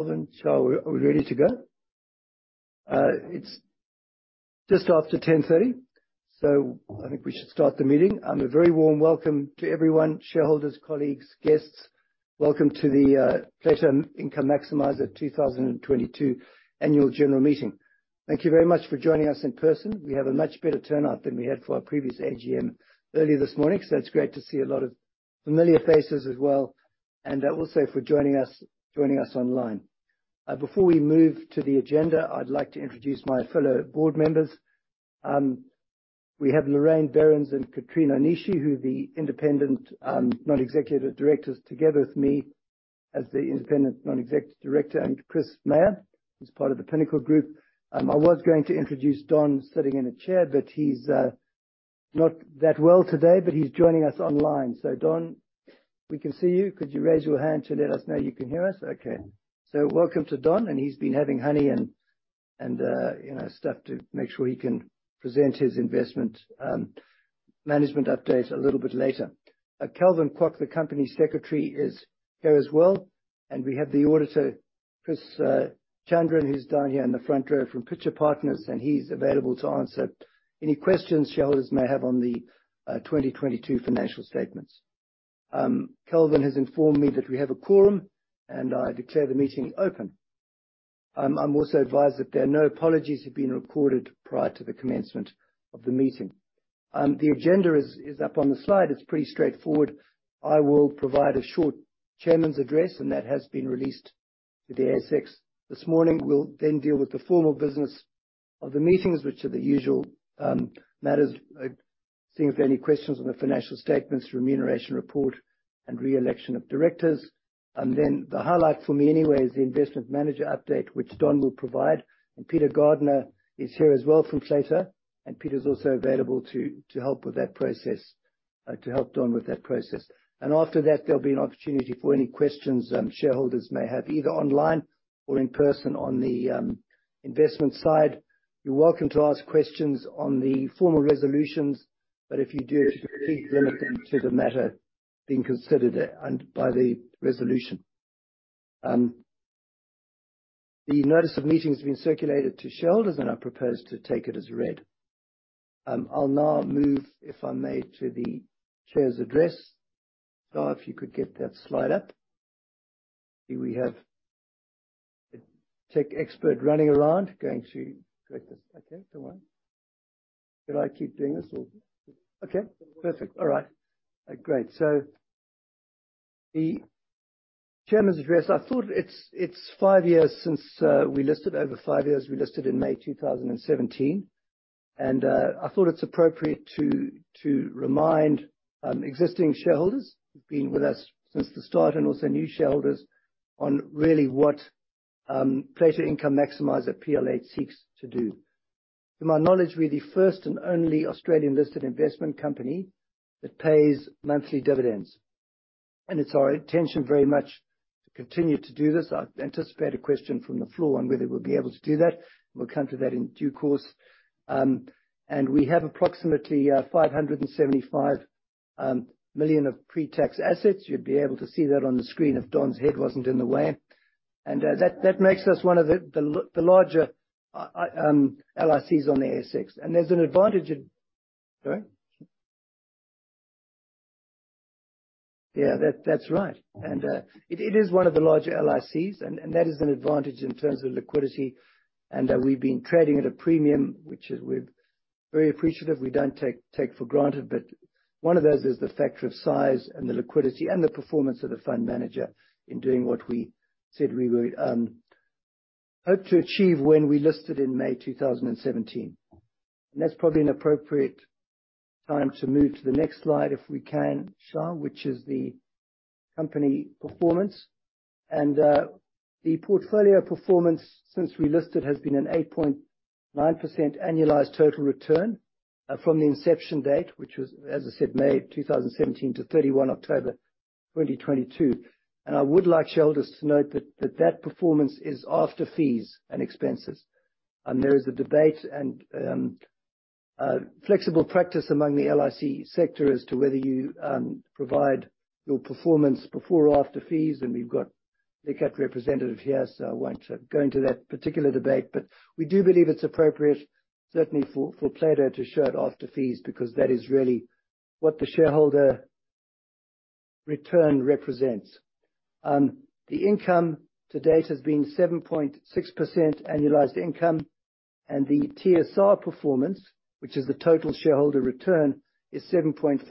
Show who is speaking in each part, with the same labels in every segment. Speaker 1: Are we ready to go? It's just after 10:30 A.M., so I think we should start the meeting. A very warm welcome to everyone, shareholders, colleagues, guests. Welcome to the Plato Income Maximiser 2022 Annual General Meeting. Thank you very much for joining us in person. We have a much better turnout than we had for our previous AGM earlier this morning. It's great to see a lot of familiar faces as well, and also for joining us online. Before we move to the agenda, I'd like to introduce my fellow board members. We have Lorraine Berends and Katrina Onishi, who the Independent Non-Executive Directors together with me as the Independent Non-Executive Director. Chris Meyer is part of the Pinnacle Group. I was going to introduce Don sitting in a chair, but he's not that well today, but he's joining us online. Don, we can see you. Could you raise your hand to let us know you can hear us? Okay. Welcome to Don, and he's been having honey and, you know, stuff to make sure he can present his investment management update a little bit later. Calvin Kwok, the Company's Secretary, is here as well. We have the Auditor, Chris Chandran, who's down here in the front row from Pitcher Partners, and he's available to answer any questions shareholders may have on the 2022 financial statements. Calvin has informed me that we have a quorum, and I declare the meeting open. I'm also advised that there are no apologies have been recorded prior to the commencement of the meeting. The agenda is up on the slide. It's pretty straightforward. I will provide a short Chairman's address, and that has been released to the ASX this morning. We'll then deal with the formal business of the meetings, which are the usual matters. Seeing if there are any questions on the Financial Statements, Remuneration Report, and re-election of directors. The highlight for me anyway is the Investment Manager update, which Don will provide. Peter Gardner is here as well from Plato, and Peter is also available to help with that process, to help Don with that process. After that, there'll be an opportunity for any questions shareholders may have, either online or in person on the investment side. You're welcome to ask questions on the formal resolutions, but if you do, please limit them to the matter being considered by the resolution. The notice of meeting has been circulated to shareholders, and I propose to take it as read. I'll now move, if I may, to the Chair's address. If you could get that slide up. Here we have a tech expert running around going to collect this. Okay, don't worry. Should I keep doing this or? Okay, perfect. All right. Great. The Chairman's address, I thought it's five years since we listed. Over five years we listed in May 2017. I thought it's appropriate to remind existing shareholders who've been with us since the start and also new shareholders on really what Plato Income Maximiser, PL8, seeks to do. To my knowledge, we're the first and only Australian-listed investment company that pays monthly dividends. It's our intention very much to continue to do this. I anticipate a question from the floor on whether we'll be able to do that. We'll come to that in due course. We have approximately 575 million of pre-tax assets. You'd be able to see that on the screen if Don's head wasn't in the way. That makes us one of the larger LICs on the ASX. There's an advantage of. Sorry? Yeah, that's right. It is one of the larger LICs, and that is an advantage in terms of liquidity. We've been trading at a premium, which is we're very appreciative. We don't take for granted. One of those is the factor of size and the liquidity and the performance of the fund manager in doing what we said we would hope to achieve when we listed in May 2017. That's probably an appropriate time to move to the next slide, if we can, chart, which is the company performance. The portfolio performance since we listed has been an 8.9% annualized total return from the inception date, which was, as I said, May 2017 to 31 October 2022. I would like shareholders to note that that performance is after fees and expenses. There is a debate and flexible practice among the LIC sector as to whether you provide your performance before or after fees. We've got the LIC representative here, so I won't go into that particular debate. We do believe it's appropriate, certainly for Plato to show it after fees, because that is really what the shareholder return represents. The income to date has been 7.6% annualized income. The TSR performance, which is the total shareholder return, is 7.4%.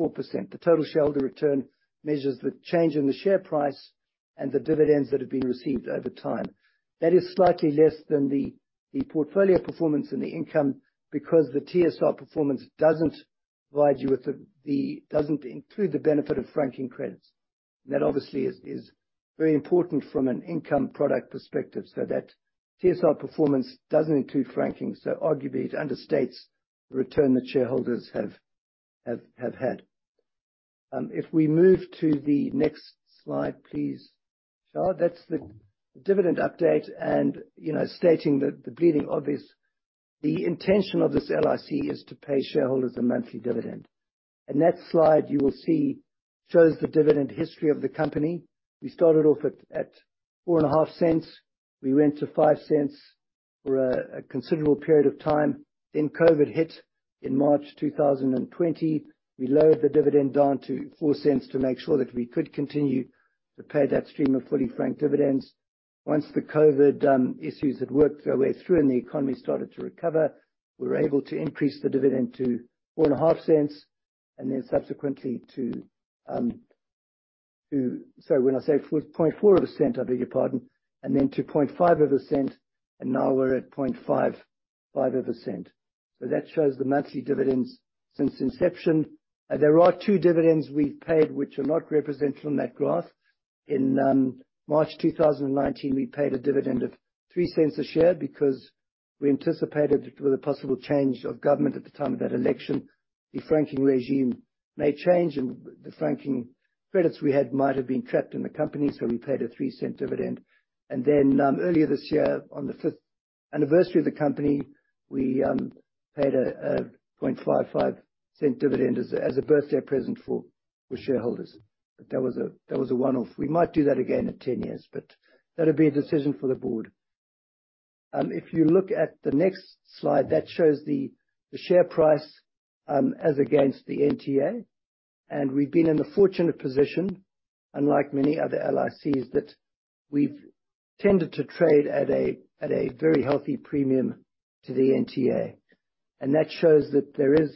Speaker 1: The total shareholder return measures the change in the share price and the dividends that have been received over time. That is slightly less than the portfolio performance and the income because the TSR performance doesn't include the benefit of franking credits. That obviously is very important from an income product perspective. That TSR performance doesn't include franking, so arguably it understates the return that shareholders have had. Um, if we move to the next slide, please, Char. That's the dividend update and, you know, stating the bleeding obvious. The intention of this LIC is to pay shareholders a monthly dividend. In that slide, you will see shows the dividend history of the company. We started off at four and a half cents. We went to five cents for a considerable period of time. Then COVID hit in March two thousand and twenty. We lowered the dividend down to four cents to make sure that we could continue to pay that stream of fully franked dividends. Once the COVID, um, issues had worked their way through and the economy started to recover, we were able to increase the dividend to four and a half cents and then subsequently to, um, to... Sorry, when I say 0.4 of a cent, I beg your pardon, and then to 0.5 of a cent, and now we're at 0.55 of a cent. That shows the monthly dividends since inception. There are two dividends we've paid which are not represented on that graph. In March 2019, we paid a dividend of 0.03 a share because we anticipated with a possible change of government at the time of that election, the franking regime may change, and the franking credits we had might have been trapped in the company. We paid a three-cent dividend. Earlier this year, on the fifth anniversary of the company, we paid a 0.55-cent dividend as a birthday present for shareholders. That was a one-off. We might do that again in 10 years, but that'll be a decision for the Board. If you look at the next slide, that shows the share price as against the NTA. We've been in the fortunate position, unlike many other LICs, that we've tended to trade at a very healthy premium to the NTA. That shows that there is,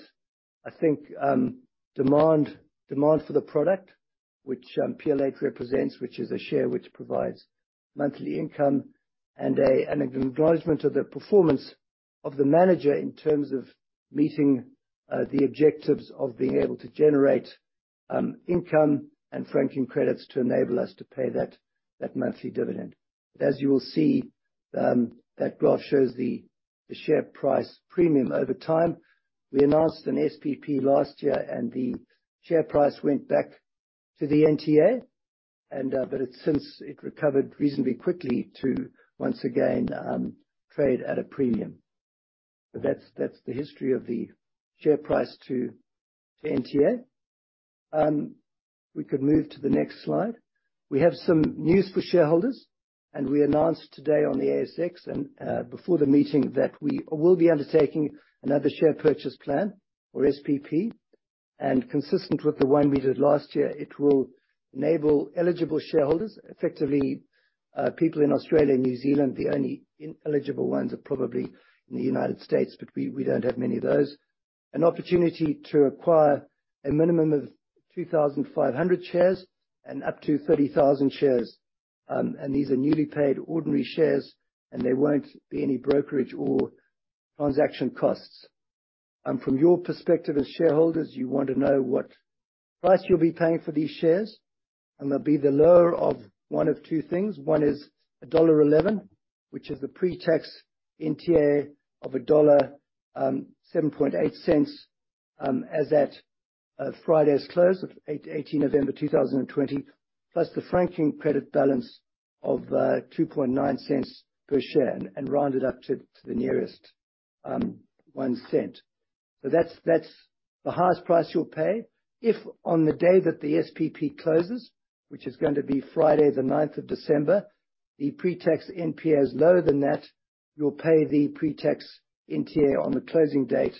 Speaker 1: I think, demand for the product which PL8 represents, which is a share which provides monthly income and an acknowledgment of the performance of the Manager in terms of meeting the objectives of being able to generate income and franking credits to enable us to pay that monthly dividend. As you will see, that graph shows the share price premium over time. We announced an SPP last year and the share price went back to the NTA, but it since recovered reasonably quickly to once again trade at a premium. That's the history of the share price to NTA. We could move to the next slide. We have some news for shareholders, and we announced today on the ASX and before the meeting that we will be undertaking another share purchase plan or SPP. Consistent with the one we did last year, it will enable eligible shareholders, effectively people in Australia and New Zealand, the only ineligible ones are probably in the United States, but we don't have many of those, an opportunity to acquire a minimum of 2,500 shares and up to 30,000 shares. Um, and these are newly paid ordinary shares, and there won't be any brokerage or transaction costs. Um, from your perspective as shareholders, you want to know what price you'll be paying for these shares, and they'll be the lower of one of two things. One is a dollar eleven, which is the pre-tax NTA of a dollar, um, seven point eight cents, um, as at, uh, Friday's close of 18 November two thousand and twenty, plus the franking credit balance of, uh, two point nine cents per share and rounded up to the nearest, um, one cent. So that's the highest price you'll pay. If on the day that the SPP closes, which is going to be Friday the 9th of December, the pre-tax NTA is lower than that, you'll pay the pre-tax NTA on the closing date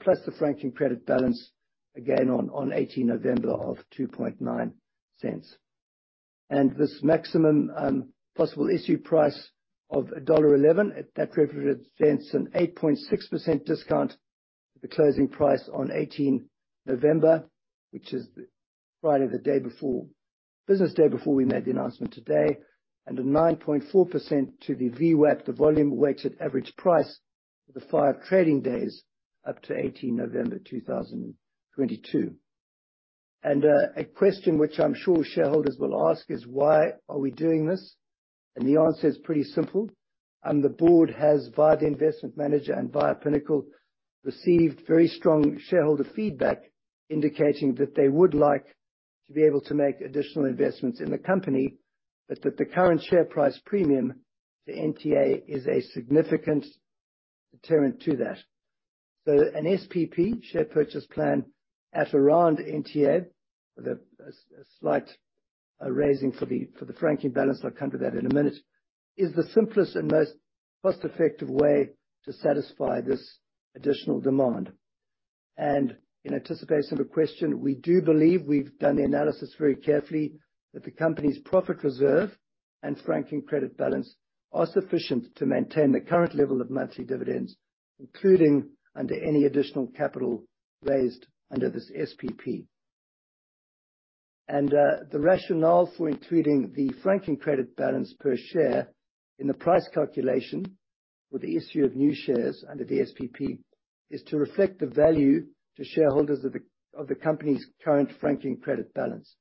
Speaker 1: plus the franking credit balance again on 18th November of 0.029. This maximum possible issue price of AUD 1.11 at that represents an 8.6% discount to the closing price on 18th November, which is Friday, the business day before we made the announcement today, and a 9.4% to the VWAP, the volume-weighted average price, for the five trading days up to 18th November 2022. A question which I'm sure shareholders will ask is, why are we doing this? The answer is pretty simple. The board has, via the investment manager and via Pinnacle, received very strong shareholder feedback indicating that they would like to be able to make additional investments in the company, but that the current share price premium to NTA is a significant deterrent to that. An SPP, share purchase plan, at around NTA with a slight raising for the franking balance, I'll come to that in a minute, is the simplest and most cost-effective way to satisfy this additional demand. In anticipation of a question, we do believe we've done the analysis very carefully, that the company's profit reserve and franking credit balance are sufficient to maintain the current level of monthly dividends, including under any additional capital raised under this SPP. The rationale for including the franking credit balance per share in the price calculation for the issue of new shares under the SPP is to reflect the value to shareholders of the company's current franking credit balance.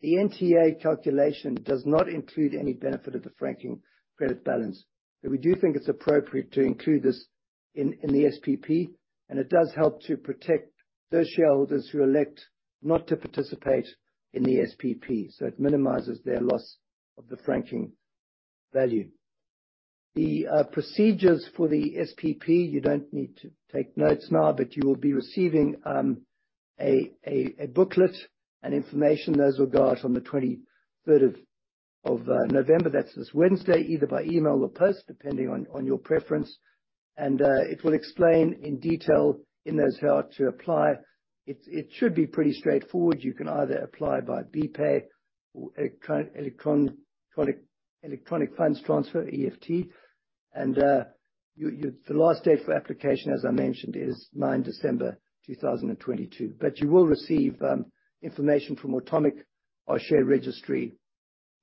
Speaker 1: The NTA calculation does not include any benefit of the franking credit balance, but we do think it's appropriate to include this in the SPP, and it does help to protect those shareholders who elect not to participate in the SPP, so it minimizes their loss of the franking value. The procedures for the SPP, you don't need to take notes now, but you will be receiving a booklet and information. Those will go out on the 23rd of November. That's this Wednesday, either by email or post, depending on your preference. It will explain in detail in those how to apply. It should be pretty straightforward. You can either apply by BPAY or electronic funds transfer, EFT. The last day for application, as I mentioned, is 9th December 2022. You will receive information from Automic, our share registry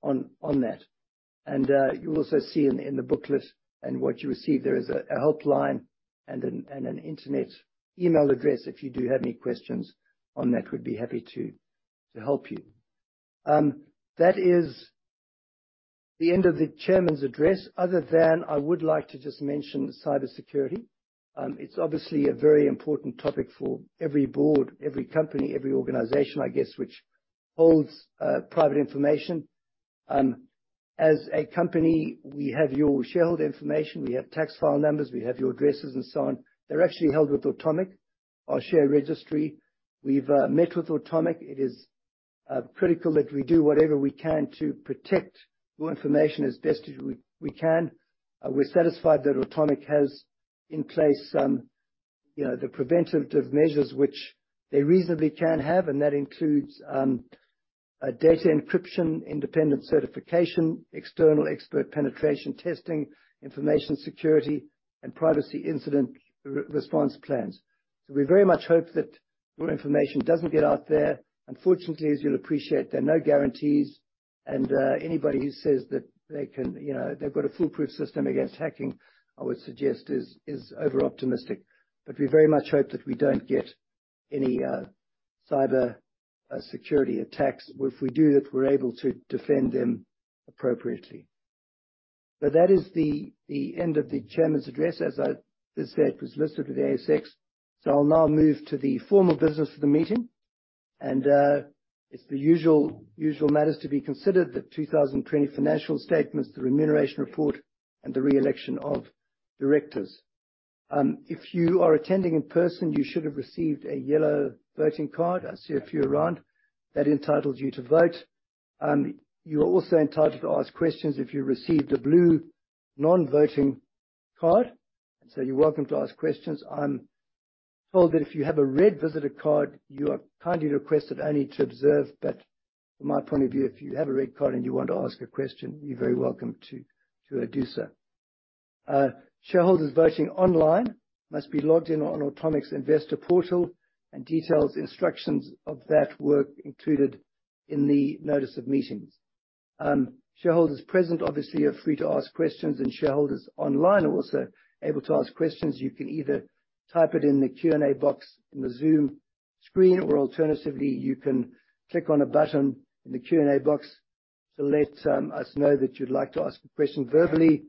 Speaker 1: on that. You'll also see in the booklet and what you receive there is a helpline and an internet email address. If you do have any questions on that, we'd be happy to help you. That is the end of the Chairman's address, other than I would like to just mention cybersecurity. It's obviously a very important topic for every board, every company, every organization, I guess, which holds private information. As a company, we have your shareholder information. We have tax file numbers. We have your addresses and so on. They're actually held with Automic, our share registry. We've met with Automic. It is critical that we do whatever we can to protect your information as best as we can. We're satisfied that Automic has in place, you know, the preventative measures which they reasonably can have, and that includes data encryption, independent certification, external expert penetration testing, information security, and privacy incident response plans. We very much hope that your information doesn't get out there. Unfortunately, as you'll appreciate, there are no guarantees, and anybody who says that, you know, they've got a foolproof system against hacking, I would suggest is overoptimistic. We very much hope that we don't get any cyber security attacks. If we do, that we're able to defend them appropriately. That is the end of the Chairman's address. As I did say, it was listed with the ASX. I'll now move to the formal business of the meeting. It's the usual matters to be considered, the 2020 financial statements, the remuneration report, and the re-election of directors. If you are attending in person, you should have received a yellow voting card. I see a few around. That entitles you to vote. You're also entitled to ask questions if you received a blue non-voting card. You're welcome to ask questions. I'm told that if you have a red visitor card, you are kindly requested only to observe. From my point of view, if you have a red card and you want to ask a question, you're very welcome to do so. Shareholders voting online must be logged in on Automic's investor portal, and details, instructions of that were included in the notice of meetings. Shareholders present obviously are free to ask questions, and shareholders online are also able to ask questions. You can either type it in the Q.&A. box in the Zoom screen, or alternatively, you can click on a button in the Q.&A. box to let us know that you'd like to ask a question verbally.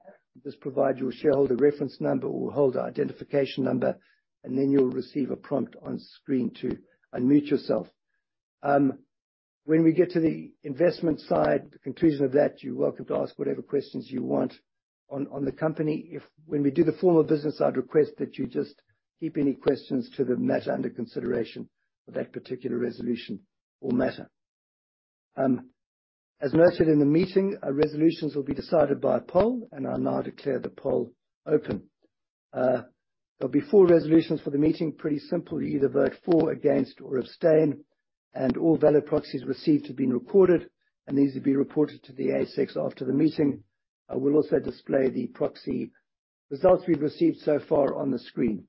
Speaker 1: Just provide your shareholder reference number or holder identification number, and then you'll receive a prompt on screen to unmute yourself. When we get to the investment side, the conclusion of that, you're welcome to ask whatever questions you want on the company. When we do the formal business, I'd request that you just keep any questions to the matter under consideration for that particular resolution or matter. As noted in the meeting, our resolutions will be decided via poll, and I'll now declare the poll open. There'll be four resolutions for the meeting. Pretty simple. You either vote for, against, or abstain. All valid proxies received have been recorded and these will be reported to the ASX after the meeting. I will also display the proxy results we've received so far on the screen.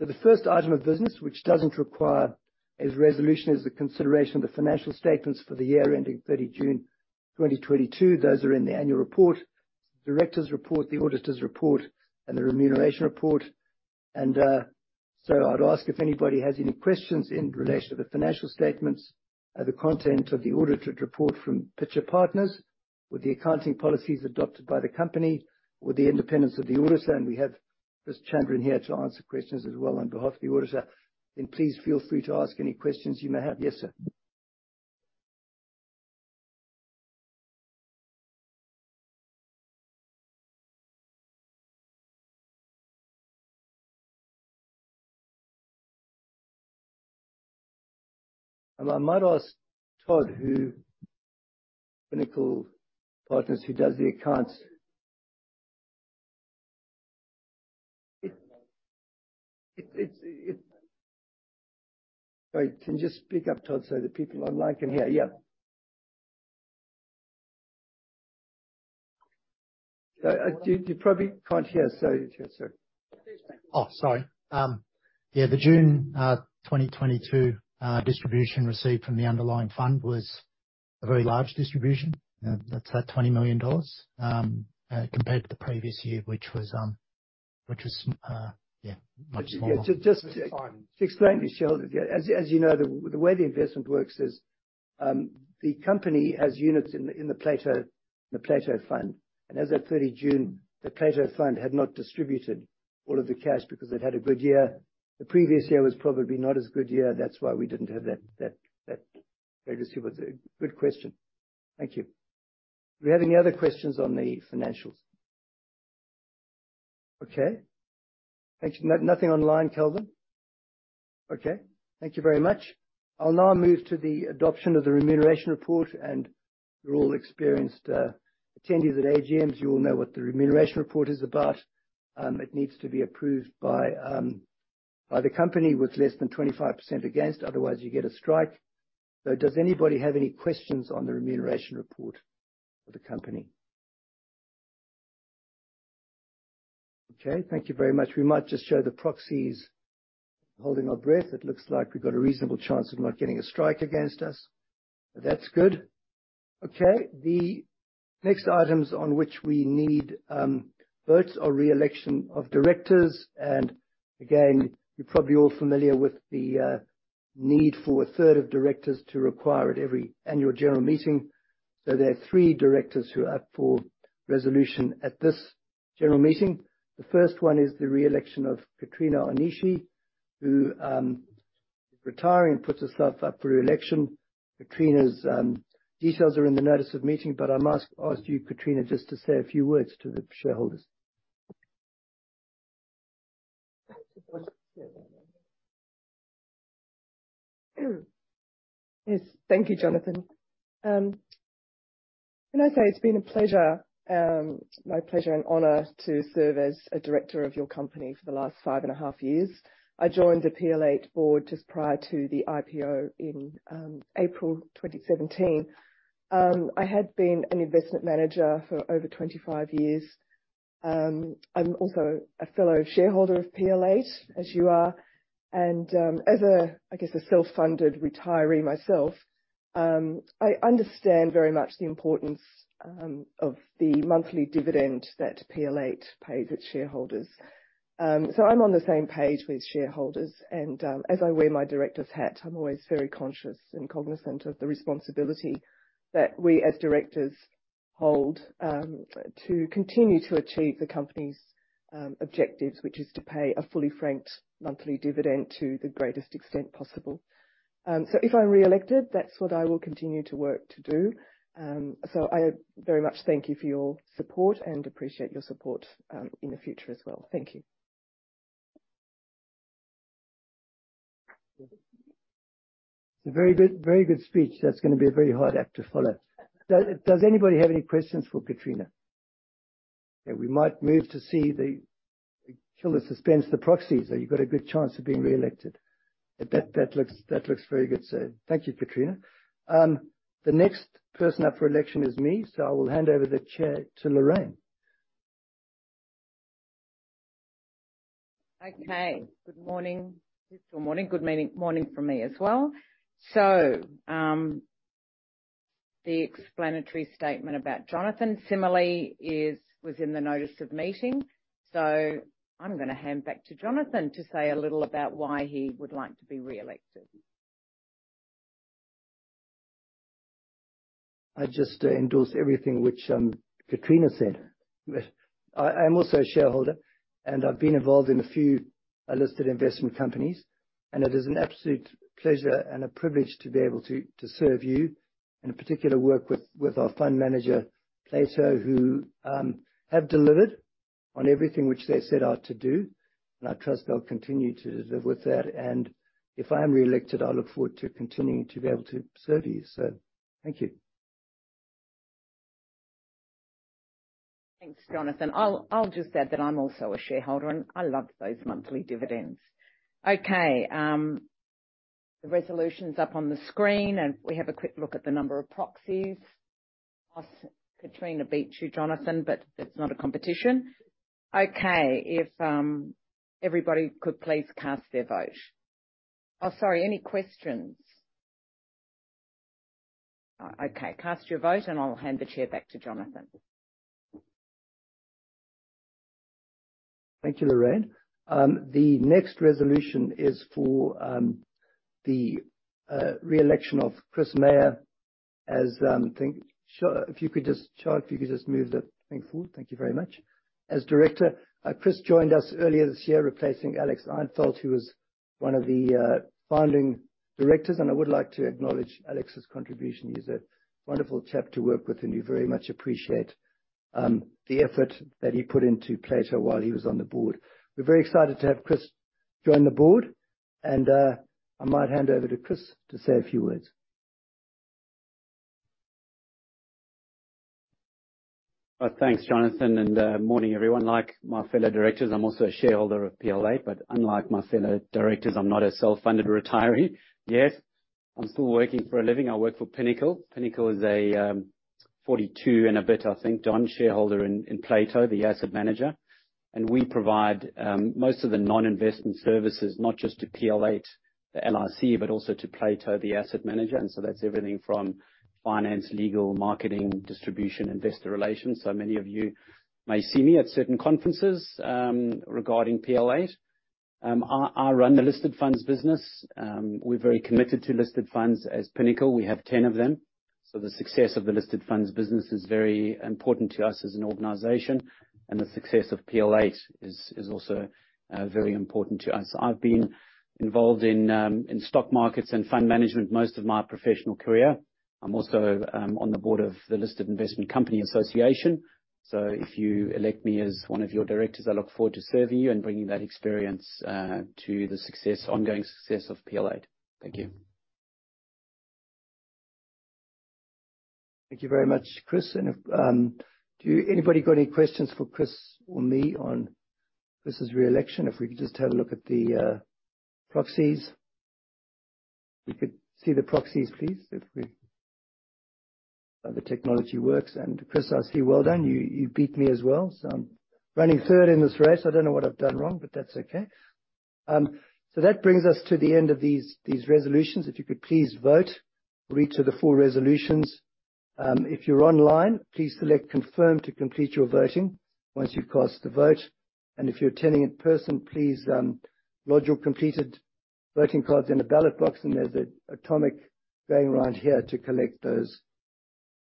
Speaker 1: The first item of business, which doesn't require a resolution, is the consideration of the financial statements for the year ending 30 June 2022. Those are in the annual report. The Director's Report, the Auditor's Report, and the Remuneration Report. I'd ask if anybody has any questions in relation to the financial statements, the content of the Auditor's Report from Pitcher Partners or the accounting policies adopted by the company or the independence of the auditor. We have Chris Chandran here to answer questions as well on behalf of the auditor. Please feel free to ask any questions you may have. Yes, sir. I might ask Todd, Pinnacle Investment Management, who does the accounts. Sorry. Can you just speak up, Todd, so the people online can hear? Yeah. You probably can't hear, sorry. Yeah, sorry.
Speaker 2: Oh, sorry. Yeah, the June 2022 distribution received from the underlying fund was a very large distribution. That's at 20 million dollars, compared to the previous year, which was, yeah, much smaller.
Speaker 1: Yeah.
Speaker 2: This time.
Speaker 1: To explain to shareholders. Yeah. As you know, the way the investment works is, the company has units in the Plato fund. As of 30 June, the Plato fund had not distributed all of the cash because they'd had a good year. The previous year was probably not as good year. That's why we didn't have that legacy. Good question. Thank you. Do we have any other questions on the financials? Okay. Thank you. Nothing online, Calvin? Okay. Thank you very much. I'll now move to the adoption of the remuneration report. You're all experienced attendees at AGMs. You all know what the remuneration report is about. It needs to be approved by the company with less than 25% against, otherwise you get a strike. Does anybody have any questions on the remuneration report of the company? Okay, thank you very much. We might just show the proxies. Holding our breath. It looks like we've got a reasonable chance of not getting a strike against us. That's good. Okay. The next items on which we need votes are re-election of directors. Again, you're probably all familiar with the need for a third of directors to retire at every annual general meeting. There are three directors who are up for resolution at this general meeting. The first one is the re-election of Katrina Onishi, who, retiring, puts herself up for re-election. Katrina's details are in the notice of meeting, but I must ask you, Katrina, just to say a few words to the shareholders.
Speaker 3: Yes. Thank you, Jonathan. Can I say it's been my pleasure and honor to serve as a director of your company for the last five and a half years. I joined the PL8 board just prior to the IPO in April 2017. I had been an investment manager for over 25 years. I'm also a fellow shareholder of PL8, as you are. As a, I guess, self-funded retiree myself, I understand very much the importance of the monthly dividend that PL8 pays its shareholders. I'm on the same page with shareholders, and as I wear my Director's hat, I'm always very conscious and cognizant of the responsibility that we as Directors hold to continue to achieve the company's objectives, which is to pay a fully franked monthly dividend to the greatest extent possible. If I'm reelected, that's what I will continue to work to do. I very much thank you for your support and appreciate your support in the future as well. Thank you.
Speaker 1: It's a very good, very good speech. That's gonna be a very hard act to follow. Does anybody have any questions for Katrina? To kill the suspense, the proxies, so you've got a good chance of being reelected. That looks very good, so thank you, Katrina. The next person up for election is me, so I will hand over the chair to Lorraine.
Speaker 4: Okay. Good morning from me as well. The explanatory statement about Jonathan similarly was in the notice of meeting. I'm gonna hand back to Jonathan to say a little about why he would like to be reelected.
Speaker 1: I just endorse everything which Katrina said. I'm also a shareholder, and I've been involved in a few Listed Investment Companies, and it is an absolute pleasure and a privilege to be able to serve you, and in particular, work with our fund manager, Plato, who have delivered on everything which they set out to do. I trust they'll continue to deliver that. If I am reelected, I look forward to continuing to be able to serve you. Thank you.
Speaker 4: Thanks, Jonathan. I'll just add that I'm also a shareholder, and I love those monthly dividends. Okay. The resolution's up on the screen. If we have a quick look at the number of proxies. Oh, Katrina beat you, Jonathan, but it's not a competition. Okay. If everybody could please cast their vote. Oh, sorry. Any questions? Oh, okay. Cast your vote, and I'll hand the chair back to Jonathan.
Speaker 1: Thank you, Lorraine. The next resolution is for the re-election of Chris Meyer as. Thank you. Sure, if you could just move the thing forward. Thank you very much. As Director, Chris joined us earlier this year, replacing Alex Ihlenfeldt, who was one of the founding directors, and I would like to acknowledge Alex's contribution. He's a wonderful chap to work with, and you very much appreciate the effort that he put into Plato while he was on the Board. We're very excited to have Chris join the Board. I might hand over to Chris to say a few words.
Speaker 5: Thanks, Jonathan, and morning, everyone. Like my fellow directors, I'm also a shareholder of PL8, but unlike my fellow directors, I'm not a self-funded retiree yet. I'm still working for a living. I work for Pinnacle. Pinnacle is a 42 and a bit, I think, % shareholder in Plato, the asset manager. We provide most of the non-investment services, not just to PL8, the LIC, but also to Plato, the asset manager, and so that's everything from finance, legal, marketing, distribution, investor relations. Many of you may see me at certain conferences regarding PL8. I run the listed funds business. We're very committed to listed funds as Pinnacle. We have 10 of them. The success of the listed funds business is very important to us as an organization, and the success of PL8 is also very important to us. I've been involved in stock markets and fund management most of my professional career. I'm also on the board of the Listed Investment Company Association. If you elect me as one of your directors, I look forward to serving you and bringing that experience to the ongoing success of PL8. Thank you.
Speaker 1: Thank you very much, Chris. Do anybody got any questions for Chris or me on Chris's re-election? If we could just have a look at the proxies. If you could see the proxies, please. The technology works. Chris, I see well done. You beat me as well. I'm running third in this race. I don't know what I've done wrong, but that's okay. That brings us to the end of these resolutions. If you could please vote. Read through the full resolutions. If you're online, please select Confirm to complete your voting once you've cast the vote. If you're attending in person, please lodge your completed voting cards in the ballot box. There's an Automic going around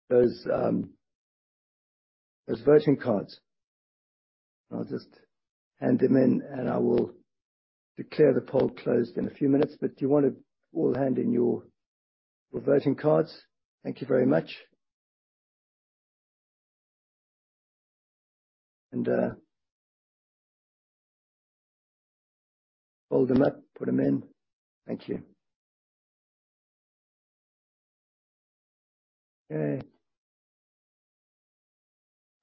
Speaker 1: here to collect those voting cards. I'll just hand them in, and I will declare the poll closed in a few minutes. Do you wanna all hand in your voting cards? Thank you very much. Fold them up, put them in. Thank you. Okay.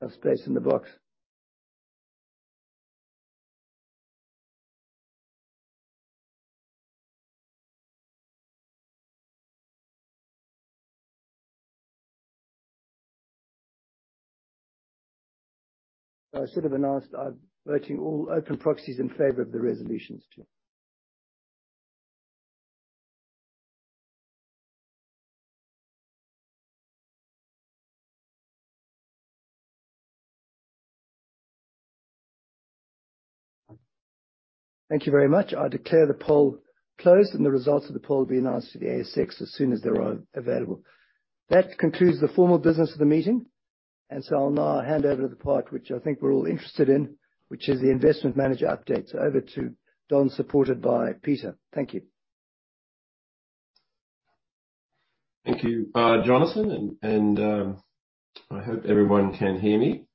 Speaker 1: There's space in the box. I sort of announced I'm voting all open proxies in favor of the resolutions too. Thank you very much. I declare the poll closed, and the results of the poll will be announced to the ASX as soon as they're available. That concludes the formal business of the meeting, and so I'll now hand over to the part which I think we're all interested in, which is the investment manager update. Over to Don, supported by Peter. Thank you.
Speaker 6: Thank you, Jonathan. I hope everyone can hear me.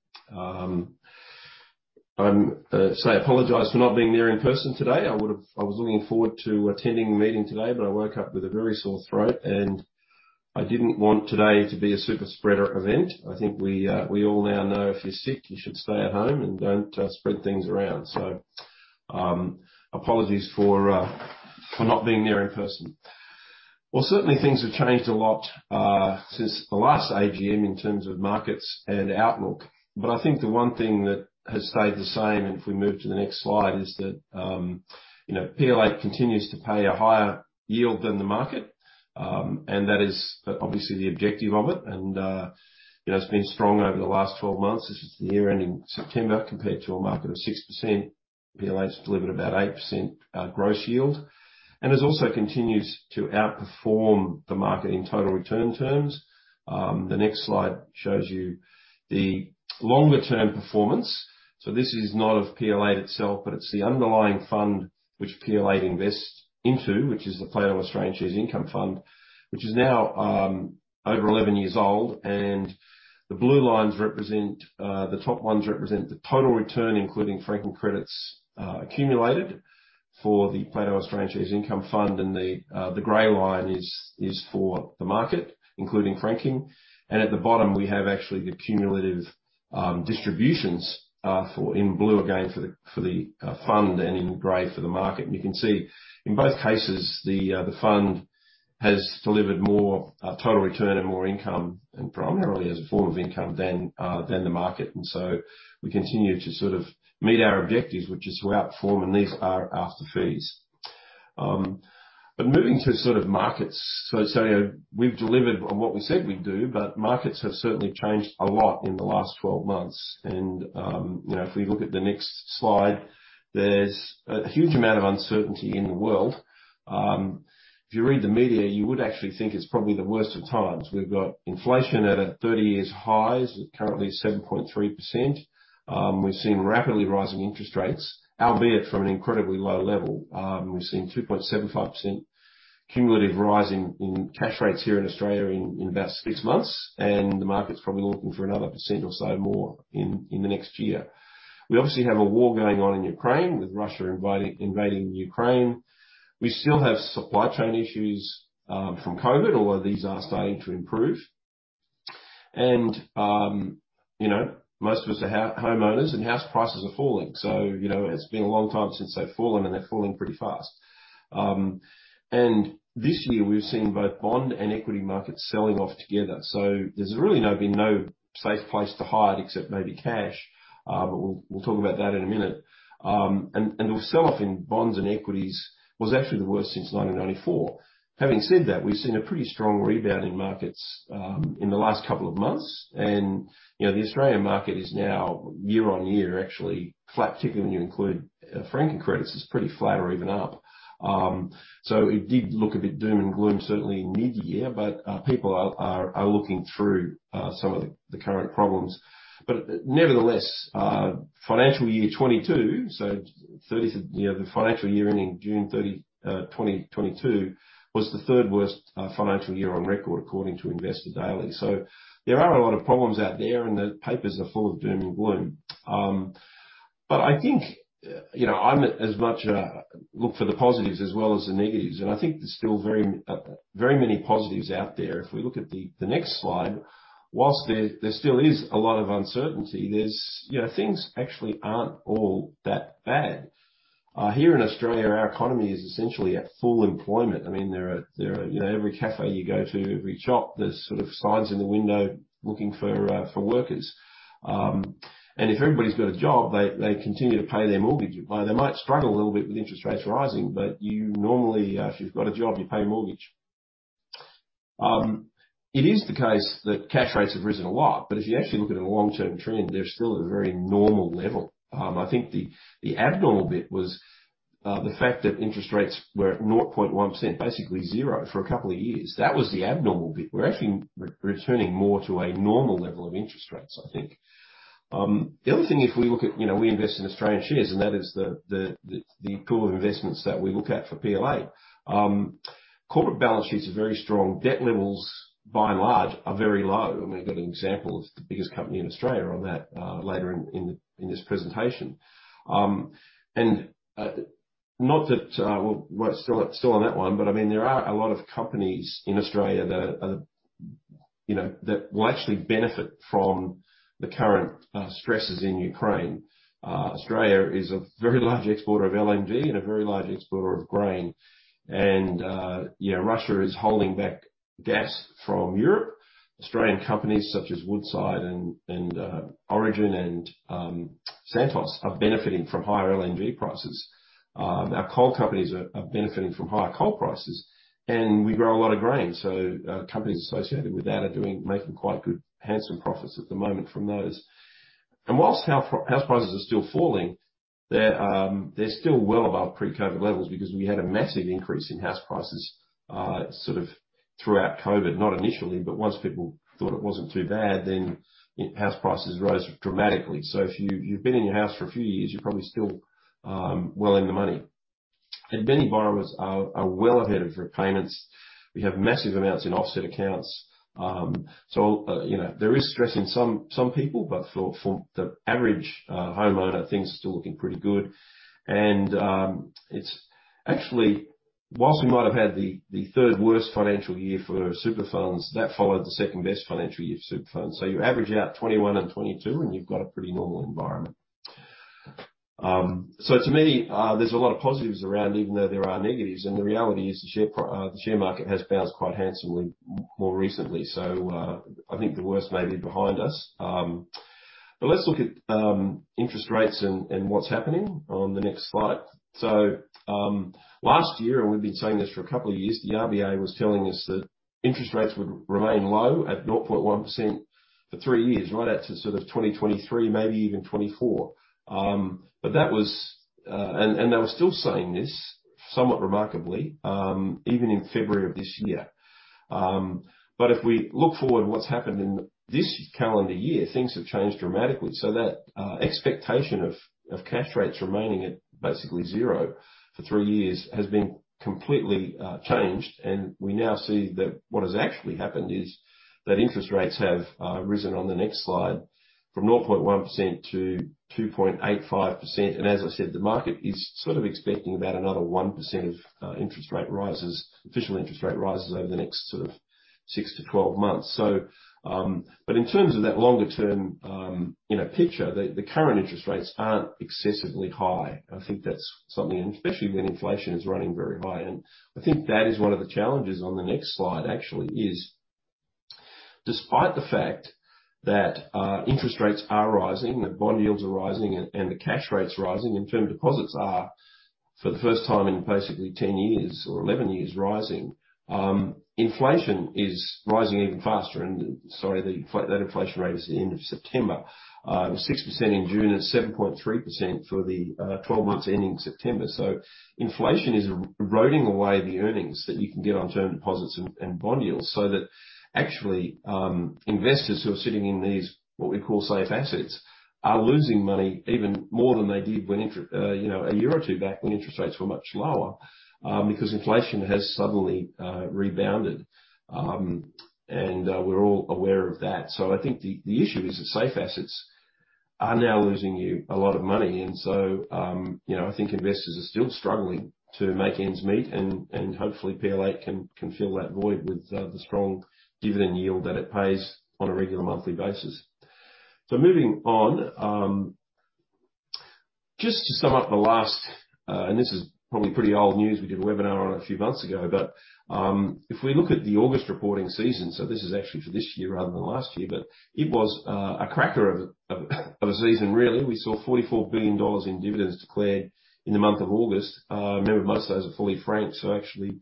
Speaker 6: I apologize for not being there in person today. I was looking forward to attending the meeting today, but I woke up with a very sore throat, and I didn't want today to be a superspreader event. I think we all now know if you're sick, you should stay at home and don't spread things around. Apologies for not being there in person. Well, certainly things have changed a lot since the last AGM in terms of markets and outlook, but I think the one thing that has stayed the same, and if we move to the next slide, is that, you know, PL8 continues to pay a higher yield than the market, and that is obviously the objective of it. You know, it's been strong over the last 12 months. This was the year ending September, compared to a market of 6%. PL8's delivered about 8% gross yield, has also continued to outperform the market in total return terms. The next slide shows you the longer term performance. This is not of PL8 itself, but it's the underlying fund which PL8 invests into, which is the Plato Australian Shares Income Fund, which is now over 11 years old. The blue lines represent, the top ones represent the total return, including franking credits, accumulated for the Plato Australian Shares Income Fund. The gray line is for the market, including franking. At the bottom, we have actually the cumulative distributions for in blue, again, for the fund and in gray for the market. You can see in both cases the fund has delivered more total return and more income, and primarily as a form of income than the market. We continue to sort of meet our objectives, which is to outperform, and these are after fees. Moving to sort of markets. Say we've delivered on what we said we'd do, but markets have certainly changed a lot in the last 12 months. You know, if we look at the next slide, there's a huge amount of uncertainty in the world. If you read the media, you would actually think it's probably the worst of times. We've got inflation at 30-year highs, currently 7.3%. We've seen rapidly rising interest rates, albeit from an incredibly low level. We've seen 2.75% cumulative rise in cash rates here in Australia in about six months, and the market's probably looking for another percent or so more in the next year. We obviously have a war going on in Ukraine with Russia invading Ukraine. We still have supply chain issues from COVID, although these are starting to improve. You know, most of us are homeowners, and house prices are falling. You know, it's been a long time since they've fallen, and they're falling pretty fast. This year we've seen both bond and equity markets selling off together. There's really been no safe place to hide except maybe cash. We'll talk about that in a minute. The sell-off in bonds and equities was actually the worst since 1994. Having said that, we've seen a pretty strong rebound in markets in the last couple of months. You know, the Australian market is now year-on-year actually flat, particularly when you include franking credits, it's pretty flat or even up. It did look a bit doom and gloom certainly mid-year, but people are looking through some of the current problems. Nevertheless, financial year 2022, you know, the financial year ending June 30, 2022 was the third worst financial year on record according to InvestorDaily. There are a lot of problems out there, and the papers are full of doom and gloom. I think, you know, I'm as much a look for the positives as well as the negatives, and I think there's still very many positives out there. If we look at the next slide, whilst there still is a lot of uncertainty, there's, you know, things actually aren't all that bad. Here in Australia, our economy is essentially at full employment. I mean, there are. You know, every cafe you go to, every shop, there's sort of signs in the window looking for workers. Um, and if everybody's got a job, they continue to pay their mortgage. They might struggle a little bit with interest rates rising, but you normally, uh, if you've got a job, you pay your mortgage. Um, it is the case that cash rates have risen a lot, but if you actually look at a long-term trend, they're still at a very normal level. Um, I think the abnormal bit was, uh, the fact that interest rates were at nought point one percent, basically zero, for a couple of years. That was the abnormal bit. We're actually re-returning more to a normal level of interest rates, I think. Um, the other thing, if we look at, you know, we invest in Australian shares, and that is the, the pool of investments that we look at for PLA. Um, corporate balance sheets are very strong. Debt levels, by and large, are very low. We've got an example of the biggest company in Australia on that later in this presentation. Well, still on that one, I mean, there are a lot of companies in Australia, you know, that will actually benefit from the current stresses in Ukraine. Australia is a very large exporter of LNG and a very large exporter of grain. You know, Russia is holding back gas from Europe. Australian companies such as Woodside and Origin and Santos are benefiting from higher LNG prices. Our coal companies are benefiting from higher coal prices, and we grow a lot of grain, so companies associated with that are making quite good, handsome profits at the moment from those. Whilst house prices are still falling, they're still well above pre-COVID levels because we had a massive increase in house prices sort of throughout COVID. Not initially, but once people thought it wasn't too bad, then house prices rose dramatically. If you've been in your house for a few years, you're probably still well in the money. Many borrowers are well ahead of repayments. We have massive amounts in offset accounts. You know, there is stress in some people, but for the average homeowner, things are still looking pretty good. It's actually, whilst we might have had the third worst financial year for super funds, that followed the second best financial year for super funds. You average out 2021 and 2022, and you've got a pretty normal environment. To me, there's a lot of positives around, even though there are negatives. The reality is the share market has bounced quite handsomely more recently. I think the worst may be behind us. Let's look at interest rates and what's happening on the next slide. Last year, and we've been saying this for a couple of years, the RBA was telling us that interest rates would remain low at 0.1% for three years, right out to sort of 2023, maybe even 2024. They were still saying this somewhat remarkably, even in February of this year. If we look forward at what's happened in this calendar year, things have changed dramatically. That expectation of cash rates remaining at basically 0 for three years has been completely changed. We now see that what has actually happened is that interest rates have risen on the next slide from 0.1%-2.85%. As I said, the market is sort of expecting about another 1% of official interest rate rises over the next sort of six-12 months. In terms of that longer-term, you know, picture, the current interest rates aren't excessively high. I think that's something, especially when inflation is running very high. I think that is one of the challenges on the next slide, actually, is despite the fact that interest rates are rising, that bond yields are rising and the cash rates rising, and term deposits are, for the first time in basically 10 years or 11 years, rising, inflation is rising even faster. Sorry, that inflation rate was the end of September, 6% in June and 7.3% for the 12 months ending September. Inflation is eroding away the earnings that you can get on term deposits and bond yields, so that actually, investors who are sitting in these, what we call safe assets, are losing money even more than they did when, you know, a year or two back when interest rates were much lower, because inflation has suddenly rebounded. We're all aware of that. I think the issue is that safe assets are now losing you a lot of money. You know, I think investors are still struggling to make ends meet, and hopefully PL8 can fill that void with the strong dividend yield that it pays on a regular monthly basis. Moving on, just to sum up the last, and this is probably pretty old news, we did a webinar on it a few months ago, but if we look at the August reporting season, this is actually for this year rather than last year, but it was a cracker of a season, really. We saw 44 billion dollars in dividends declared in the month of August. Remember, most of those are fully franked, so actually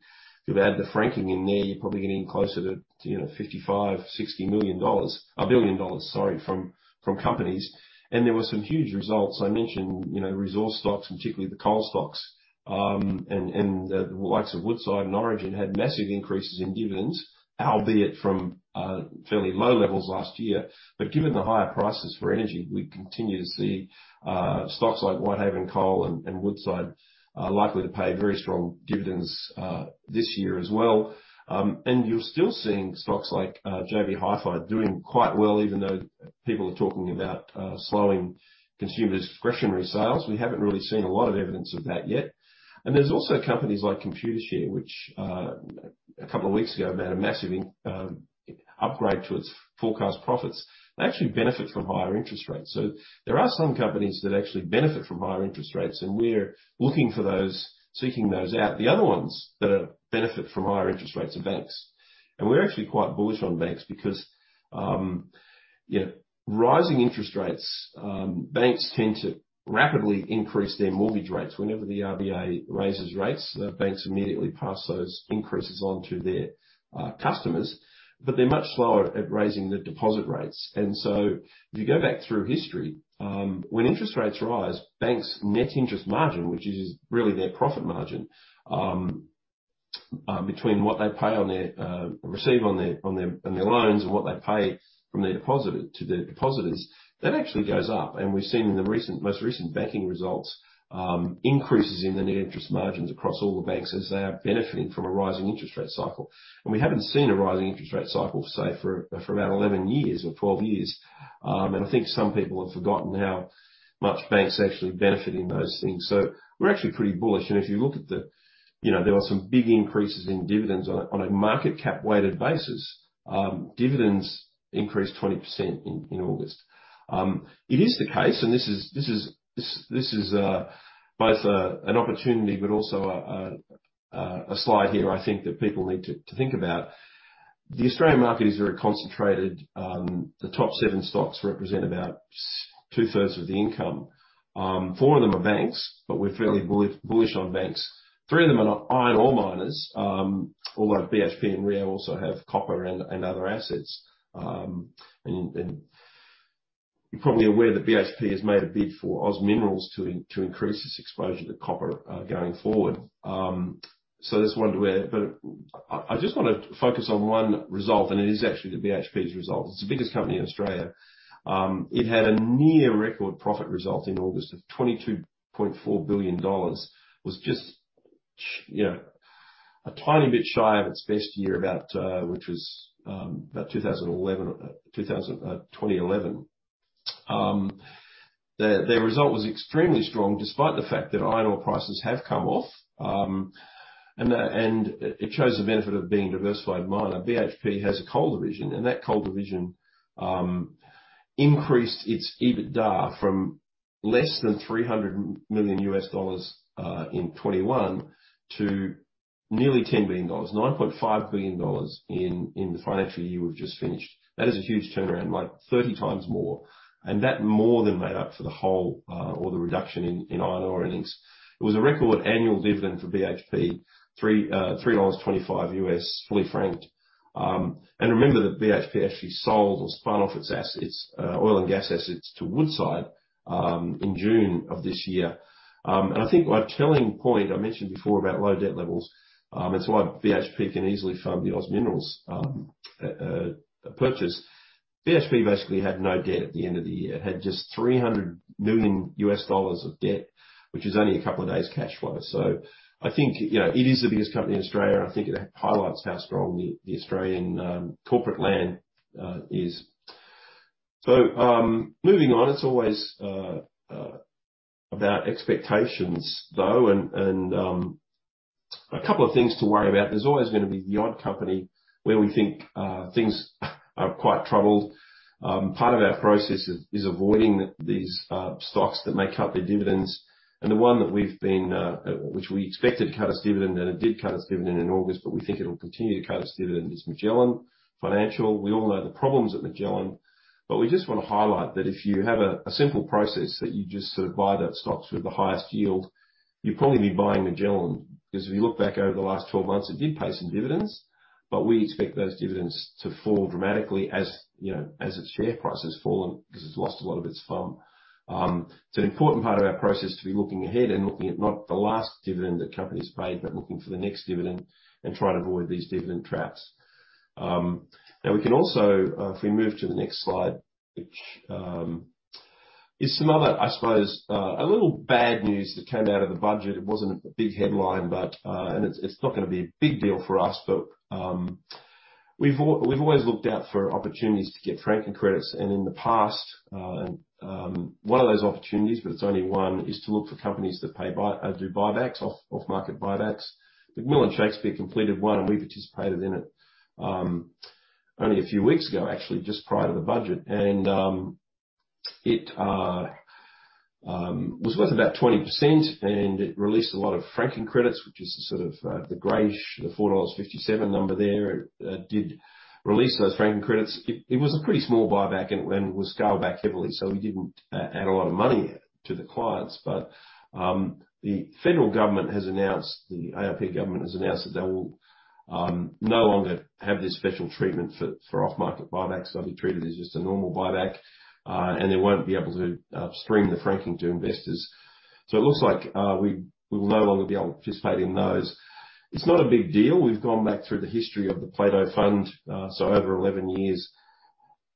Speaker 6: if you add the franking in there, you're probably getting closer to, you know, 55 million-60 million dollars, a billion dollars, sorry, from companies. There were some huge results. I mentioned, you know, resource stocks, and particularly the coal stocks, and the likes of Woodside and Origin had massive increases in dividends, albeit from fairly low levels last year. Given the higher prices for energy, we continue to see stocks like Whitehaven Coal and Woodside likely to pay very strong dividends this year as well. You're still seeing stocks like JB Hi-Fi doing quite well, even though people are talking about slowing consumer discretionary sales. We haven't really seen a lot of evidence of that yet. There's also companies like Computershare, which a couple of weeks ago made a massive upgrade to its forecast profits. They actually benefit from higher interest rates. There are some companies that actually benefit from higher interest rates, and we're looking for those, seeking those out. The other ones that benefit from higher interest rates are banks. We're actually quite bullish on banks because, you know, rising interest rates, banks tend to rapidly increase their mortgage rates. Whenever the RBA raises rates, the banks immediately pass those increases on to their customers, but they're much slower at raising the deposit rates. And so if you go back through history, um, when interest rates rise, banks' net interest margin, which is really their profit margin, um, uh, between what they pay on their, uh, receive on their, on their, on their loans and what they pay from their deposit to the depositors, that actually goes up. And we've seen in the recent, most recent banking results, um, increases in the net interest margins across all the banks as they are benefiting from a rising interest rate cycle. And we haven't seen a rising interest rate cycle, say, for about eleven years or twelve years. Um, and I think some people have forgotten how much banks actually benefit in those things. So we're actually pretty bullish. And if you look at the, you know, there were some big increases in dividends on a, on a market cap weighted basis. Dividends increased 20% in August. It is the case, and this is both an opportunity, but also a slide here I think that people need to think about. The Australian market is very concentrated. The top seven stocks represent about 2/3 of the income. Four of them are banks, but we're fairly bullish on banks. Three of them are iron ore miners, although BHP and Rio also have copper and other assets. You're probably aware that BHP has made a bid for OZ Minerals to increase its exposure to copper going forward. That's one to aware. I just wanna focus on one result, and it is actually the BHP's result. It's the biggest company in Australia. It had a near record profit result in August of 22.4 billion dollars. Was just, you know, a tiny bit shy of its best year, which was about 2011. Their result was extremely strong, despite the fact that iron ore prices have come off. It shows the benefit of being a diversified miner. BHP has a coal division, and that coal division increased its EBITDA from less than $300 million in 2021 to nearly $10 billion, $9.5 billion in the financial year we've just finished. That is a huge turnaround, like 30 times more. That more than made up for the reduction in iron ore earnings. It was a record annual dividend for BHP, $3.25 US, fully franked. Remember that BHP actually sold or spun off its assets, oil and gas assets to Woodside in June of this year. I think a telling point, I mentioned before about low debt levels, it's why BHP can easily fund the OZ Minerals purchase. BHP basically had no debt at the end of the year. It had just $300 million of debt, which is only a couple of days' cash flow. I think, you know, it is the biggest company in Australia, and I think it highlights how strong the Australian corporate land is. Moving on, it's always about expectations, though, and a couple of things to worry about. There's always gonna be the odd company where we think things are quite troubled. Part of our process is avoiding these stocks that may cut their dividends. The one which we expected to cut its dividend, and it did cut its dividend in August, but we think it'll continue to cut its dividend, is Magellan Financial. We all know the problems at Magellan, but we just want to highlight that if you have a simple process that you just sort of buy those stocks with the highest yield, you'd probably be buying Magellan. Because if you look back over the last 12 months, it did pay some dividends, but we expect those dividends to fall dramatically as, you know, its share price has fallen because it's lost a lot of its FUM. It's an important part of our process to be looking ahead and looking at not the last dividend that companies paid, but looking for the next dividend and try to avoid these dividend traps. Now we can also, if we move to the next slide, which is some other, I suppose, a little bad news that came out of the budget. It wasn't a big headline, and it's not gonna be a big deal for us. We've always looked out for opportunities to get franking credits. In the past, one of those opportunities, but it's only one, is to look for companies that do buybacks, off-market buybacks. McMillan Shakespeare completed one, and we participated in it. Only a few weeks ago, actually, just prior to the budget. It was worth about 20%, and it released a lot of franking credits, which is the sort of grayish 4.57 dollars number there, did release those franking credits. It was a pretty small buyback and was scaled back heavily, so we didn't add a lot of money to the clients. The ALP government has announced that they will no longer have this special treatment for off-market buybacks. They'll be treated as just a normal buyback, and they won't be able to stream the franking to investors. It looks like we'll no longer be able to participate in those. It's not a big deal. We've gone back through the history of the Plato Fund, uh, so over eleven years,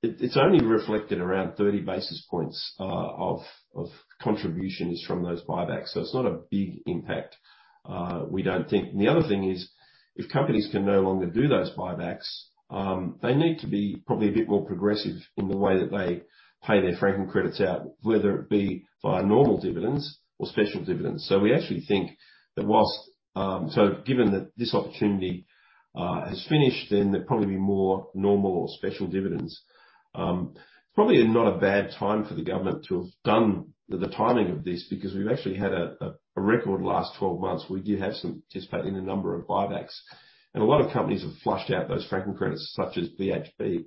Speaker 6: it-it's only reflected around thirty basis points, uh, of contributions from those buybacks, so it's not a big impact, uh, we don't think. And the other thing is, if companies can no longer do those buybacks, um, they need to be probably a bit more progressive in the way that they pay their franking credits out, whether it be via normal dividends or special dividends. So we actually think that whilst, um... So given that this opportunity, uh, has finished, then there'll probably be more normal or special dividends. Um, it's probably not a bad time for the government to have done the timing of this, because we've actually had a, a record last twelve months. We did have some participate in a number of buybacks, and a lot of companies have flushed out those franking credits, such as BHP,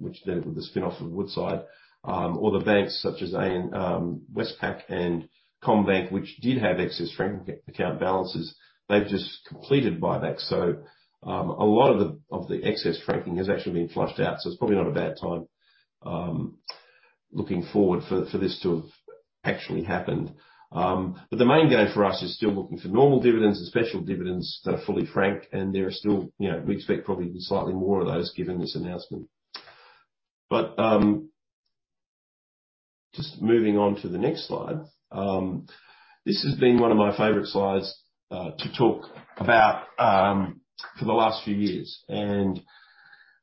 Speaker 6: which did with the spin-off of Woodside, or the banks such as ANZ, Westpac and CommBank, which did have excess franking account balances. They've just completed buybacks. A lot of the excess franking has actually been flushed out, so it's probably not a bad time looking forward for this to have actually happened. The main game for us is still looking for normal dividends and special dividends that are fully franked, and there are still, you know, we expect probably slightly more of those given this announcement. Just moving on to the next slide. This has been one of my favorite slides to talk about for the last few years.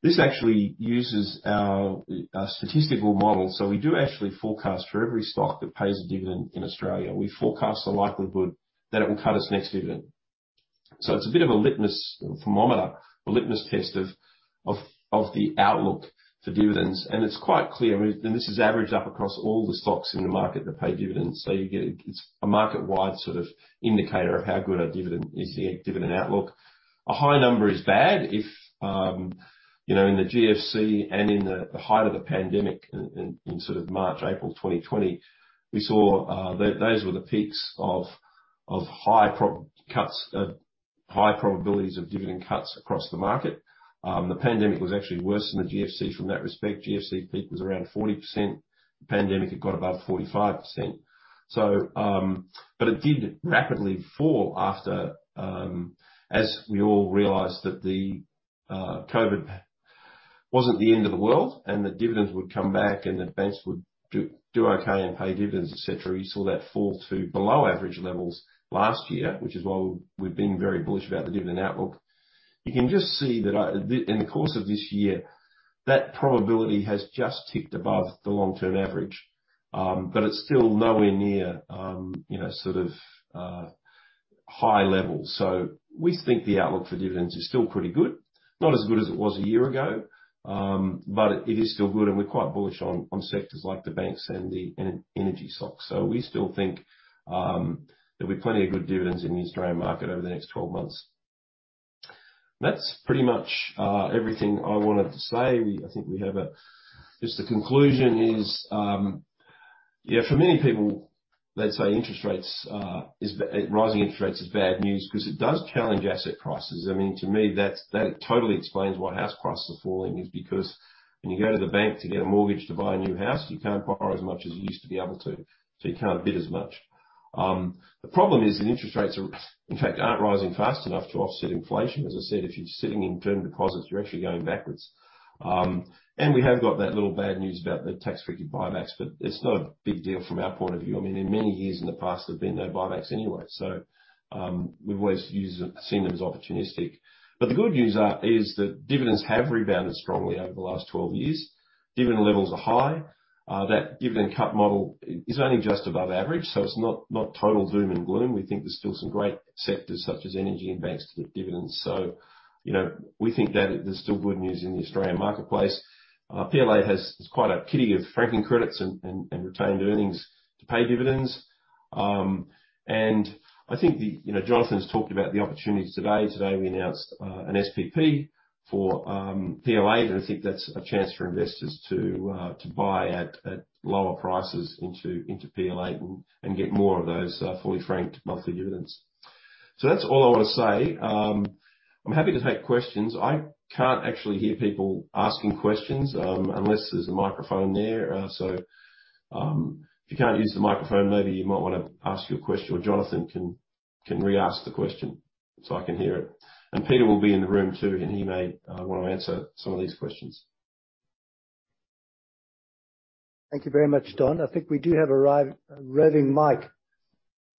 Speaker 6: This actually uses our statistical model. We do actually forecast for every stock that pays a dividend in Australia. We forecast the likelihood that it will cut its next dividend. It's a bit of a litmus thermometer, a litmus test of the outlook for dividends, and it's quite clear. This is averaged up across all the stocks in the market that pay dividends. It's a market-wide sort of indicator of how good a dividend is, the dividend outlook. A high number is bad. If, you know, in the GFC and in the height of the pandemic in sort of March, April 2020, we saw that those were the peaks of high probabilities of dividend cuts across the market. The pandemic was actually worse than the GFC from that respect. GFC peak was around 40%. The pandemic had got above 45%. It did rapidly fall after, as we all realized that the COVID wasn't the end of the world and that dividends would come back and the banks would do okay and pay dividends, et cetera. You saw that fall to below average levels last year, which is why we've been very bullish about the dividend outlook. You can just see that in the course of this year, that probability has just ticked above the long-term average. It's still nowhere near, you know, sort of, high levels. We think the outlook for dividends is still pretty good. Not as good as it was a year ago, but it is still good, and we're quite bullish on sectors like the banks and the energy stocks. We still think there'll be plenty of good dividends in the Australian market over the next 12 months. That's pretty much everything I wanted to say. Just the conclusion is, yeah, for many people, they say rising interest rates is bad news 'cause it does challenge asset prices. I mean, to me, that totally explains why house prices are falling, is because when you go to the bank to get a mortgage to buy a new house, you can't borrow as much as you used to be able to, so you can't bid as much. The problem is that interest rates, in fact, aren't rising fast enough to offset inflation. As I said, if you're sitting in term deposits, you're actually going backwards. We have got that little bad news about the tax-free buybacks, but it's not a big deal from our point of view. I mean, in many years in the past, there's been no buybacks anyway. We've always used them, seen them as opportunistic. The good news is that dividends have rebounded strongly over the last 12 years. Dividend levels are high. That dividend cut model is only just above average, so it's not total doom and gloom. We think there's still some great sectors, such as energy and banks, that have dividends. You know, we think that there's still good news in the Australian marketplace. PL8 has quite a kitty of franking credits and retained earnings to pay dividends. You know, Jonathan's talked about the opportunities today. Today, we announced an SPP for PL8, and I think that's a chance for investors to buy at lower prices into PL8 and get more of those fully franked monthly dividends. That's all I want to say. I'm happy to take questions. I can't actually hear people asking questions unless there's a microphone there. If you can't use the microphone, maybe you might wanna ask your question or Jonathan can re-ask the question so I can hear it. Peter will be in the room too, and he may want to answer some of these questions.
Speaker 1: Thank you very much, Don. I think we do have a roving mic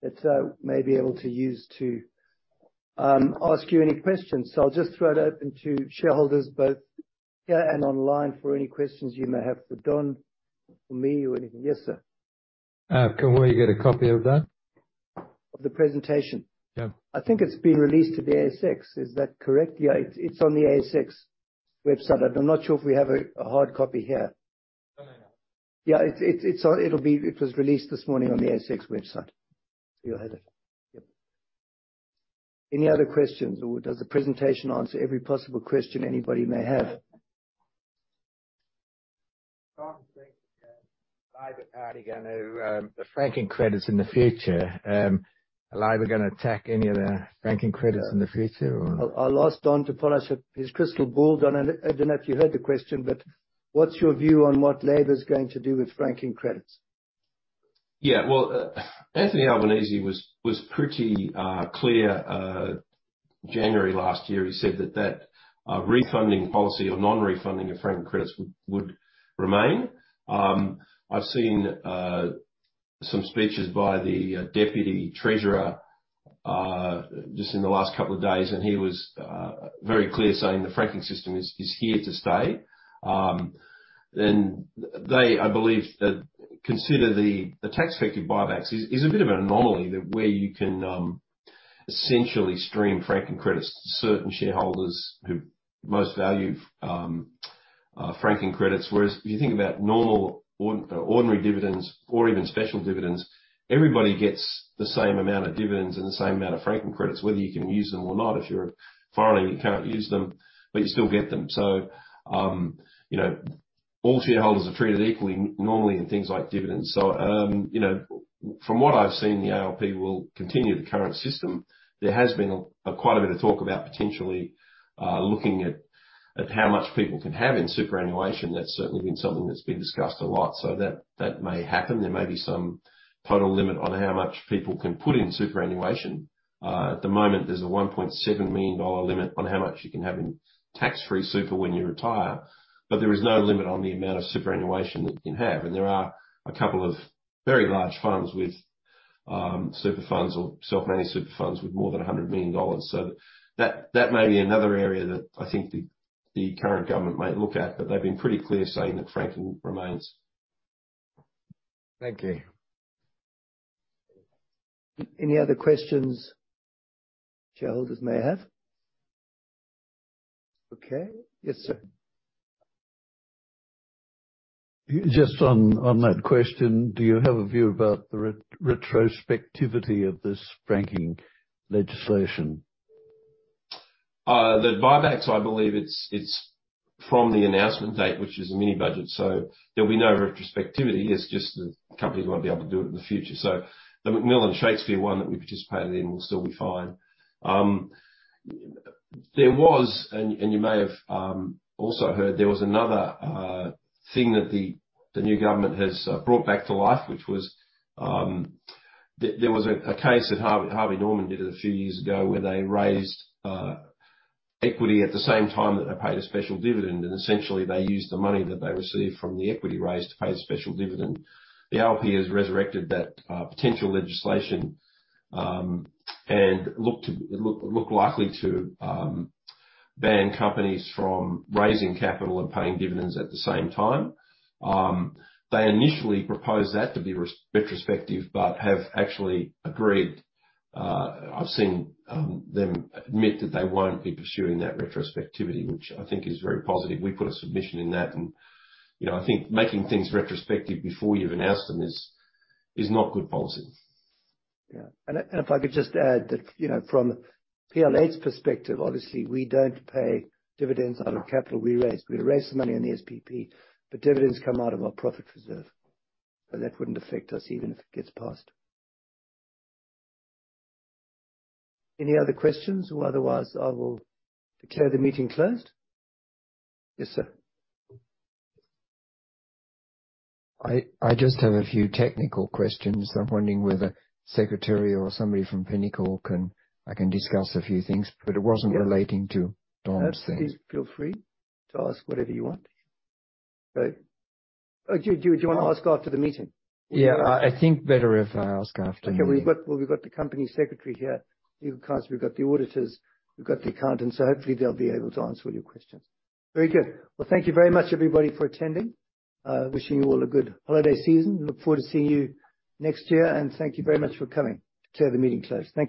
Speaker 1: that may be able to use to ask you any questions. I'll just throw it open to shareholders, both here and online, for any questions you may have for Don or me or anything. Yes, sir.
Speaker 7: Can we get a copy of that?
Speaker 1: Of the presentation.
Speaker 7: Yeah. I think it's been released to the ASX. Is that correct? Yeah, it's on the ASX website. I'm not sure if we have a hard copy here. No, no.
Speaker 1: Yeah, it's on. It was released this morning on the ASX website. You had it. Yep. Any other questions? Does the presentation answer every possible question anybody may have?
Speaker 8: Don's saying that, are Labor gonna attack any of the franking credits in the future?
Speaker 1: I'll ask Don to polish up his crystal ball. Don, I don't know if you heard the question, but what's your view on what Labor's going to do with franking credits?
Speaker 6: Yeah. Well, Anthony Albanese was pretty clear January last year. He said that refunding policy or non-refunding of franking credits would remain. I've seen some speeches by the Deputy Treasurer just in the last couple of days, and he was very clear saying the franking system is here to stay. They, I believe, consider the tax-effective buybacks is a bit of an anomaly where you can essentially stream franking credits to certain shareholders who most value franking credits. Whereas if you think about normal ordinary dividends or even special dividends, everybody gets the same amount of dividends and the same amount of franking credits, whether you can use them or not. If you're a foreigner, you can't use them, but you still get them. You know, all shareholders are treated equally normally in things like dividends. You know, from what I've seen, the ALP will continue the current system. There has been quite a bit of talk about potentially looking at how much people can have in superannuation. That's certainly been something that's been discussed a lot. That may happen. There may be some total limit on how much people can put in superannuation. At the moment, there's a 1.7 million dollar limit on how much you can have in tax-free super when you retire. There is no limit on the amount of superannuation that you can have. There are a couple of very large funds with super funds or self-managed super funds with more than 100 million dollars. That may be another area that I think the current government might look at. They've been pretty clear saying that franking remains.
Speaker 8: Thank you.
Speaker 1: Any other questions shareholders may have? Okay. Yes, sir.
Speaker 9: Just on that question, do you have a view about the retrospectivity of this franking legislation?
Speaker 6: The buybacks, I believe it's from the announcement date, which is the Mini Budget. There'll be no retrospectivity. It's just the companies won't be able to do it in the future. The McMillan Shakespeare one that we participated in will still be fine. There was, you may have also heard, there was another thing that the new government has brought back to life, which was there was a case that Harvey Norman did a few years ago where they raised equity at the same time that they paid a special dividend. Essentially they used the money that they received from the equity raise to pay a special dividend. The ALP has resurrected that potential legislation and look likely to ban companies from raising capital and paying dividends at the same time. They initially proposed that to be retrospective but have actually agreed. I've seen them admit that they won't be pursuing that retrospectivity, which I think is very positive. We put a submission in that and, you know, I think making things retrospective before you've announced them is not good policy.
Speaker 1: Yeah. If I could just add that, you know, from PL8's perspective, obviously, we don't pay dividends out of capital we raise. We raise the money on the SPP, but dividends come out of our profit reserve. That wouldn't affect us even if it gets passed. Any other questions? Otherwise, I will declare the meeting closed. Yes, sir.
Speaker 10: I just have a few technical questions. I'm wondering whether Secretary or somebody from Pinnacle I can discuss a few things. It wasn't relating to Don's things.
Speaker 1: Please feel free to ask whatever you want. Oh, do you wanna ask after the meeting?
Speaker 10: Yeah. I think better if I ask after the meeting.
Speaker 1: Okay. Well, we've got the Company Secretary here. We've got the auditors, we've got the accountants. Hopefully they'll be able to answer all your questions. Very good. Well, thank you very much everybody for attending. Wishing you all a good holiday season. Look forward to seeing you next year, and thank you very much for coming. Declare the meeting closed. Thank you.